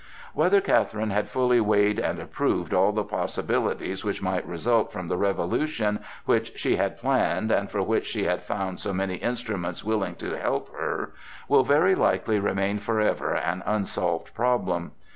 Whether Catherine had fully weighed and approved all the possibilities which might result from the revolution which she had planned and for which she had found so many instruments willing to help her, will very likely remain forever an unsolved problem.